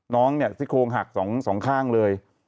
น้องเนี่ยซิกโครงหักสองข้างเลย